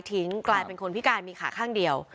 กลายเป็นคนพิการมีขาข้างเดียว